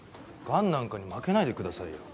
がんなんかに負けないでくださいよ。